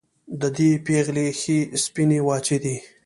د دې پېغلې ښې سپينې واڅې دي